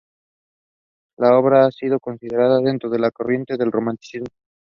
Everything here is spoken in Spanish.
Su obra ha sido considerada dentro de la corriente del Romanticismo.